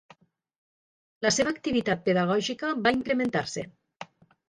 La seva activitat pedagògica va incrementar-se.